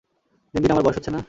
দিনদিন আমার বয়স হচ্ছে না?